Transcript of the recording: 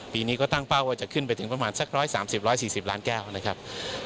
ปีนี้ก็ตั้งเป้าว่าจะขึ้นไปถึงประมาณสัก๑๓๐๑๔๐ล้านแก้วนะครับ